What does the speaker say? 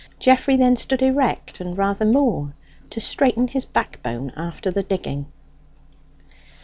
Geoffrey then stood erect, and rather more, to straighten his backbone after the digging.